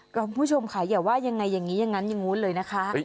คุณผู้ชมค่ะอย่าว่ายังไงอย่างนี้อย่างนั้นอย่างนู้นเลยนะคะ